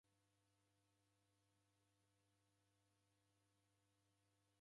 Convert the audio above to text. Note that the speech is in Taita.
Nawidekie vindo visingie